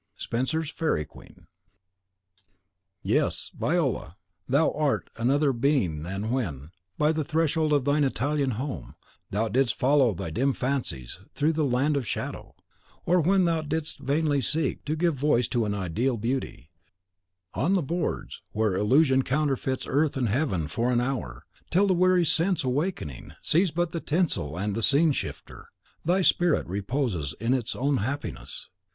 Spenser's "Faerie Queene," book i. canto i. st. x. Yes, Viola, thou art another being than when, by the threshold of thy Italian home, thou didst follow thy dim fancies through the Land of Shadow; or when thou didst vainly seek to give voice to an ideal beauty, on the boards where illusion counterfeits earth and heaven for an hour, till the weary sense, awaking, sees but the tinsel and the scene shifter. Thy spirit reposes in its own happiness.